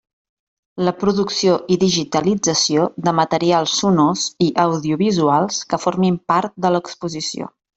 La producció i digitalització de materials sonors i audiovisuals que formin part de l'exposició.